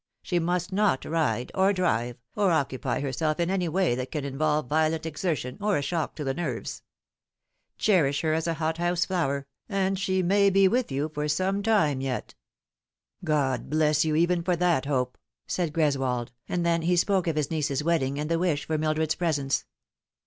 She must not ride, or drive, or occupy herself in any way that can involve violent exertion, or a shock to the nerves. Cherish her as a hothouse flower, and she may be with you for some time yet." " God bless you, even for that hope," said Greswold, and then he spoke of his niece's wedding, and the wish for Mildred's presence.